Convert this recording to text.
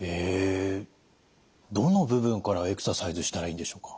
どの部分からエクササイズしたらいいんでしょうか。